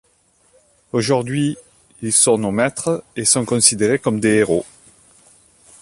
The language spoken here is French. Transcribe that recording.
Aujourd'hui, ils sont nos maîtres et sont considérés comme des héros.